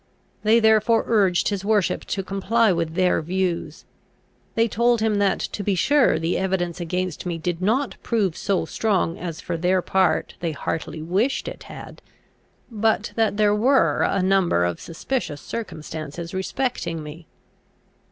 They therefore urged his worship to comply with their views. They told him that to be sure the evidence against me did not prove so strong as for their part they heartily wished it had, but that there were a number of suspicious circumstances respecting me.